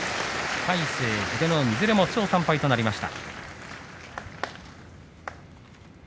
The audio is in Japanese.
魁聖、英乃海いずれも３勝３敗となりました。